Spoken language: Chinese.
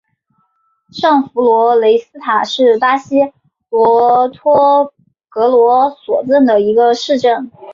上弗洛雷斯塔是巴西马托格罗索州的一个市镇。